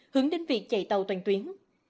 hướng đến việc chạy tàu toàn tuyến